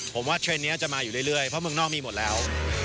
ผมว่าเทรนด์นี้จะมาอยู่เรื่อยเพราะเมืองนอกมีหมดแล้ว